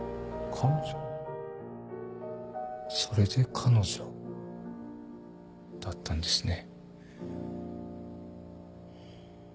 それで「彼女」だったんですね。